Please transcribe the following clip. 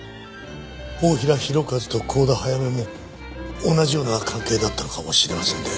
太平洋和と幸田早芽も同じような関係だったのかもしれませんね。